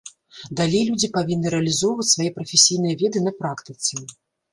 Далей людзі павінны рэалізоўваць свае прафесійныя веды на практыцы.